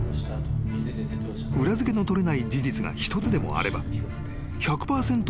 ［裏付けの取れない事実が一つでもあれば］